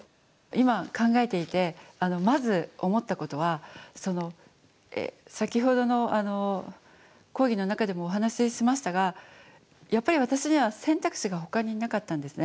今考えていてまず思ったことは先ほどの講義の中でもお話ししましたがやっぱり私には選択肢がほかになかったんですね。